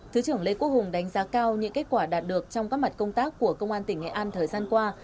thứ trưởng lê quốc hùng đánh giá cao những kết quả đạt được trong các mặt công tác của công an tỉnh nghệ an thời gian qua